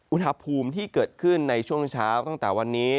อุณหภูมิที่เกิดขึ้นในช่วงเช้าตั้งแต่วันนี้